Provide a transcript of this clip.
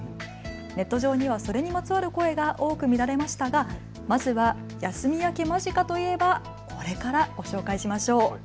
ネット上にはそれにまつわる声が多く見られましたが、まずは休み明け間近といえばこれからご紹介しましょう。